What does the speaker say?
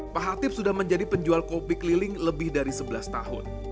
pak hatip sudah menjadi penjual kopi keliling lebih dari sebelas tahun